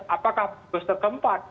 apakah poster keempat